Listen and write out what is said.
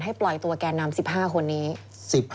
ปล่อยตัวแก่นำ๑๕คนนี้